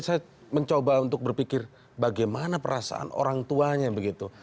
saya mencoba untuk berpikir bagaimana perasaan orang tuanya begitu